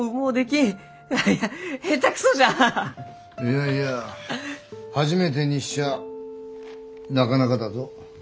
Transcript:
いやいや初めてにしちゃあなかなかだぞ。